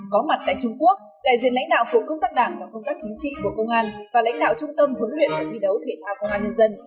có mặt tại trung quốc đại diện lãnh đạo của công tác đảng và công tác chính trị của công an và lãnh đạo trung tâm huấn luyện và thi đấu thể thao công an nhân dân